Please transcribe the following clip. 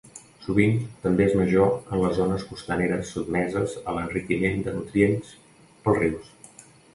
Sovint també és major en les zones costaneres sotmeses a l'enriquiment de nutrients pels rius.